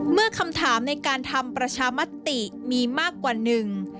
เมื่อคำถามในการทำประชามติมีมากกว่าหนึ่ง